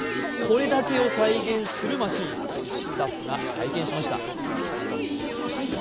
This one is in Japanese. これだけを再現するマシーン、スタッフが体験しました。